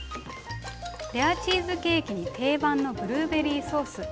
レアチーズケーキに定番のブルーベリーソース。